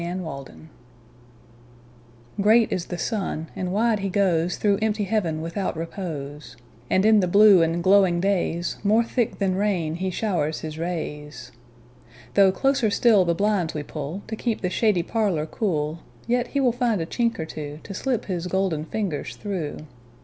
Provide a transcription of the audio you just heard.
Summer Sun GREAT is the sun, and wide he goesThrough empty heaven without repose; And in the blue and glowing daysMore thick than rain he showers his rays. Though closer still the blinds we pullTo keep the shady parlour cool, Yet he will find a chink or twoTo slip his golden fingers through.